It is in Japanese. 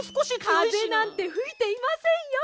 かぜなんてふいていませんよ。